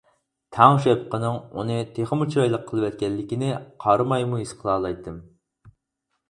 تاڭ شەپىقىنىڭ ئۇنى تېخىمۇ چىرايلىق قىلىۋەتكەنلىكىنى قارىمايمۇ ھېس قىلالايتتىم.